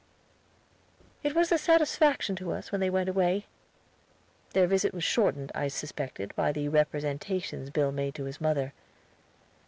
It was a satisfaction to us when they went away. Their visit was shortened, I suspected, by the representations Bill made to his mother.